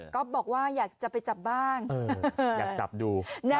บอกว่าอยากจะไปจับบ้างอยากจับดู